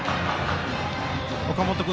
岡本君